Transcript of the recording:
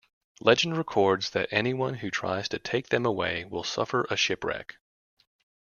Legend records that anyone who tries to take them away will suffer a shipwreck.